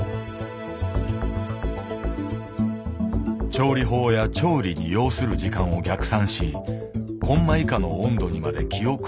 調理法や調理に要する時間を逆算しコンマ以下の温度にまで気を配る。